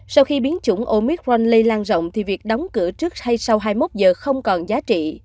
sau khi biến chủng omic ran lây lan rộng thì việc đóng cửa trước hay sau hai mươi một giờ không còn giá trị